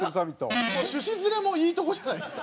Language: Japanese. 趣旨ずれもいいとこじゃないですか。